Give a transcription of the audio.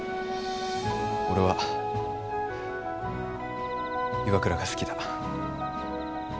俺は岩倉が好きだ。